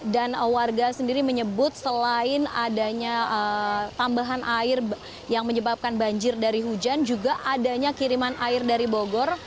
dan warga sendiri menyebut selain adanya tambahan air yang menyebabkan banjir dari hujan juga adanya kiriman air dari bogor